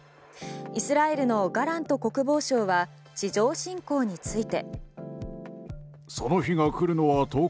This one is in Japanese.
イスラエルのガラント国防相は地上侵攻について。